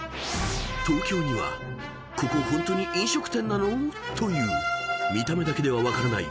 ［東京にはここホントに飲食店なの？という見た目だけでは分からない